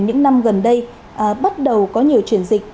những năm gần đây bắt đầu có nhiều chuyển dịch